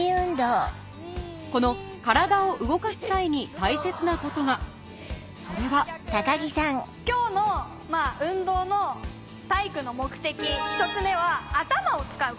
この体を動かす際に大切なことがそれは今日の運動の体育の目的一つ目は。